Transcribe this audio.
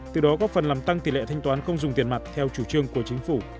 từ đó góp phần làm tăng tỷ lệ thanh toán không dùng tiền mặt theo chủ trương của chính phủ